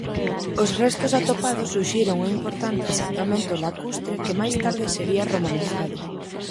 Os restos atopados suxiren un importante asentamento lacustre que máis tarde sería romanizado.